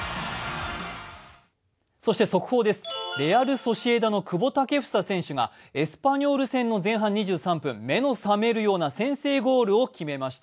そして速報です、レアル・ソシエダの久保建英選手がエスパニュール戦で目の覚めるような先制ゴールを決めました。